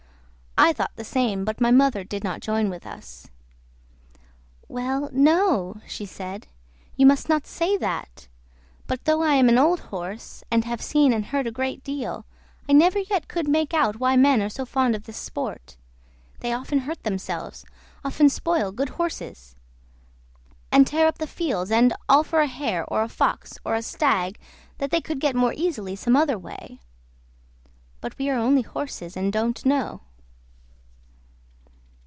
I thought the same, but my mother did not join with us. "Well, no," she said, "you must not say that; but though I am an old horse, and have seen and heard a great deal, I never yet could make out why men are so fond of this sport; they often hurt themselves, often spoil good horses, and tear up the fields, and all for a hare or a fox, or a stag, that they could get more easily some other way; but we are only horses, and don't know."